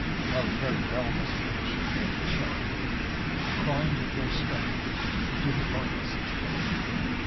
'Oh very well, Miss Pinch!' thought the sharp pupil, 'crying before strangers, as if you didn't like the situation!